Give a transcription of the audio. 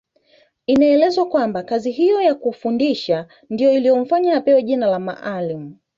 Inaelezwa kwamba kazi hiyo ya kufundisha ndiyo iliyomfanya apewe jina la Maalim